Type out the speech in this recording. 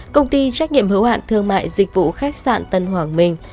công ty trách nhiệm hữu hạn thương mại dịch vụ khách sạn tân hoàng minh